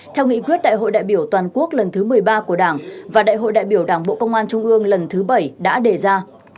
theo nghị quyết đại hội đại biểu toàn quốc lần thứ một mươi ba của đảng và đại hội đại biểu đảng bộ công an trung ương lần thứ bảy đã đề ra